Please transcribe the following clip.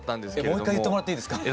もう一回言ってもらっていいですか？